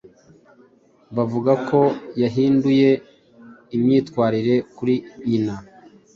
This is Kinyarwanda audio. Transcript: bavuga ko yahinduye imyitwarire kuri nyina,